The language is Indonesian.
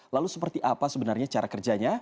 lalu seperti apa sebenarnya cara kerjanya